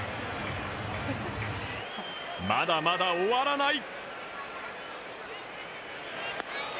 まだまだ終わらない！